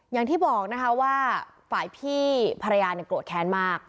อย่างที่บอกนะคะว่าฝ่ายพี่ภรรยาเนี่ยโกรธแค้นมาก